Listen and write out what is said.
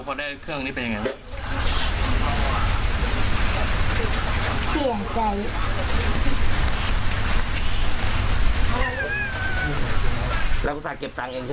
พี่ยังทำแบบนี้